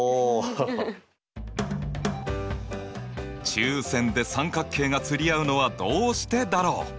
中線で三角形が釣り合うのはどうしてだろう？